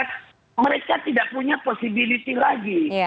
tapi mereka tidak punya posibilitas lagi